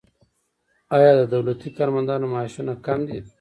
آیا د دولتي کارمندانو معاشونه کم دي؟